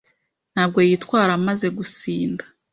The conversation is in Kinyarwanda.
Ntabwo yitwara amaze gusinda.